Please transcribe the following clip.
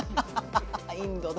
インドの。